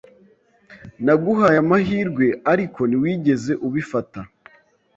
Naguhaye amahirwe, ariko ntiwigeze ubifata.